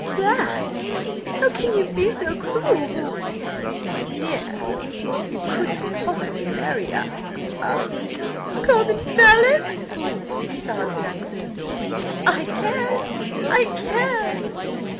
"Glad? How can you be so cruel?" "My dear, you could not possibly marry–a–a—" "Common felon!" sobbed Diana. "I can–I can!"